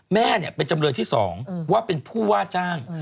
แม่เป็นจำเลยที่๒ว่าเป็นผู้ว่าจ้าง